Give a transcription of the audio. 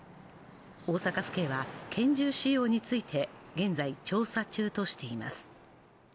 大阪府警は拳銃使用について現在調査中としています。